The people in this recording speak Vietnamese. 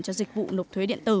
cho dịch vụ nộp thuế điện tử